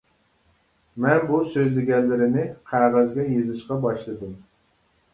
مەن بۇ سۆزلىگەنلىرىنى قەغەزگە يېزىشقا باشلىدىم.